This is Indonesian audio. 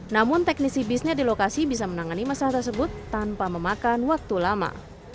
namun teknisi bisnya di lokasi bisa menangani masalah tersebut tanpa memakan waktu lama